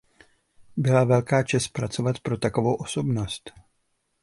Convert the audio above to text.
Byla velká čest pracovat pro takovou osobnost.